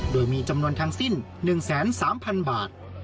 โดยมีจำนวนทางสิ้นหนึ่งแสนสามพันบาท